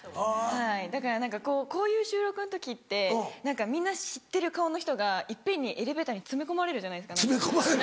だから何かこういう収録の時ってみんな知ってる顔の人が一遍にエレベーターに詰め込まれるじゃないですか。